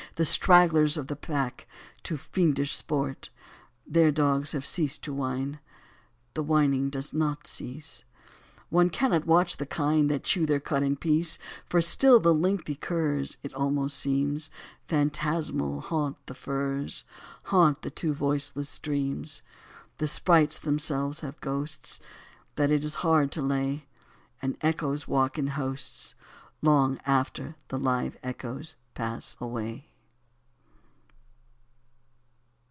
The stragglers of the pack to fiendish sport. Their dogs have ceased to whine ; The whining doth not cease. One cannot watch the kine, That chew their cud in peace ; For still the lengthy curs. It almost seems. Phantasmal haunt the firs, Haunt the two voiceless streams : The sprites themselves have ghosts That it is hard to lay, And echoes walk in hosts Long after the live echoes pass away.